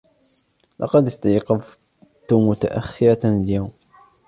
لقد إستيقظتُ متأخرةً اليوم.